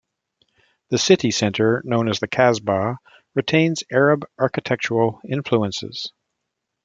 The city centre, known as the "Kasbah", retains Arab architectural influences.